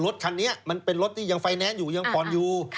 รถคันนี้มันเป็นรถที่ยังไฟแนนซ์อยู่ยังผ่อนอยู่